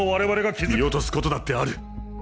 見落とすことだってある。